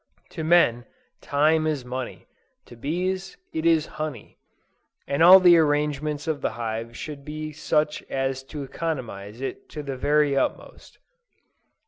To men, time is money; to bees, it is honey; and all the arrangements of the hive should be such as to economize it to the very utmost.